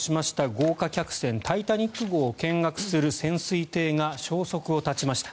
豪華客船「タイタニック号」を見学する潜水艇が消息を絶ちました。